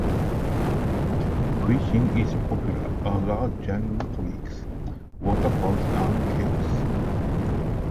Fishing is popular, as are jungle treks, waterfalls and caves.